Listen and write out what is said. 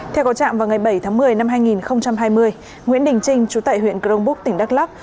theo có chạm vào ngày bảy tháng một mươi năm hai nghìn hai mươi nguyễn đình trinh chú tại huyện crongbúc tỉnh đắk lắk